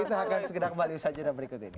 kita akan segera kembali saja di video berikut ini